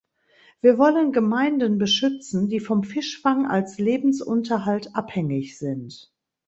Wir wollen Gemeinden beschützen, die vom Fischfang als Lebensunterhalt abhängig sind.